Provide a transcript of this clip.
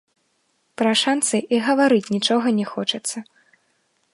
Пра шанцы і гаварыць нічога не хочацца.